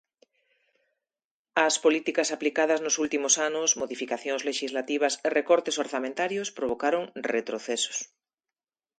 As políticas aplicadas nos últimos anos, modificacións lexislativas e recortes orzamentarios provocaron retrocesos.